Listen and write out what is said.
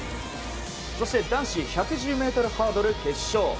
そして男子１１０ｍハードル決勝。